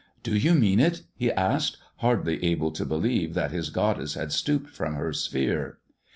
" Do you mean it ?" he asked, hardly able to believe that his goddess had stooped from her sphere.